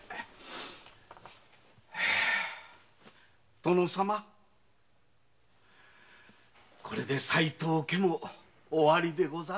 殿様これで齋藤家も終わりでござる。